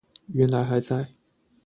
原來還在